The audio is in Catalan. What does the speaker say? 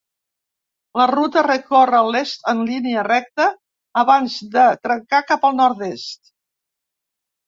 La ruta recorre l'est en línia recta abans de trencar cap al nord-est.